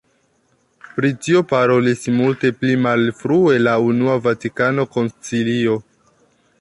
Pri tio parolis multe pli malfrue la Unua Vatikana Koncilio.